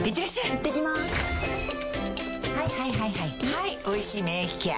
はい「おいしい免疫ケア」